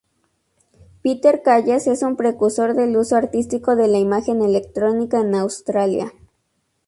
Peter Callas es un precursor del uso artístico de la imagen electrónica en Australia.